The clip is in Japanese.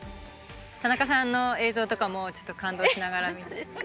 田中さんの映像とかもちょっと感動しながら見てて。